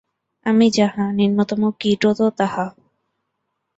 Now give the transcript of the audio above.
আমি যাহা, নিম্নতম কীটও তো তাহা।